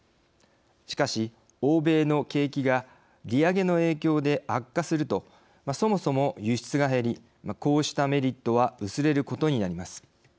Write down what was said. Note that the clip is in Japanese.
しかし欧米の景気が利上げの影響で悪化するとそもそも輸出が減りこうしたメリットは薄れることになります。